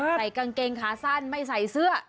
ใส่กางเกงขาสั้นไม่ใส่เสื้อ